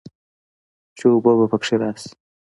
چې اوبۀ به پکښې راشي